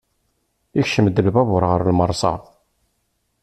Ikcem-d lbabur ɣer lmersa.